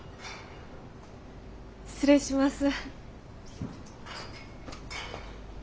失礼します。